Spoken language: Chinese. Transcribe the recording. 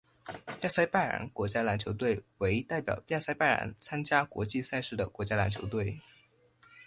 亚塞拜然国家篮球队为代表亚塞拜然参加国际赛事的国家篮球队。